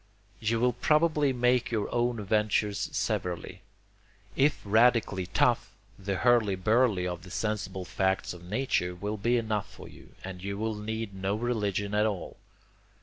You will probably make your own ventures severally. If radically tough, the hurly burly of the sensible facts of nature will be enough for you, and you will need no religion at all.